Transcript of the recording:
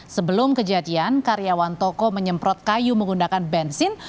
sebelum kejadian karyawan toko menyemprot kayu menggunakan bensin